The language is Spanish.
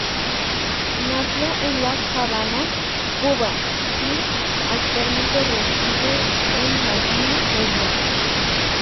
Nació en La Habana, Cuba y actualmente reside en Miami, Florida.